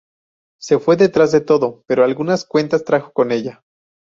Se fue detrás de todo, pero algunas cuentas trajo con ella.